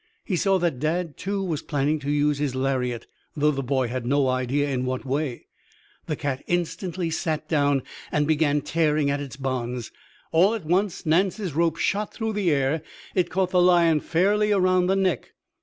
He saw that Dad, too, was planning to use his lariat, though the boy had no idea in what way. The cat instantly sat down and began tearing at its bonds. All at once Nance's rope shot through the air. It caught the lion fairly around the neck.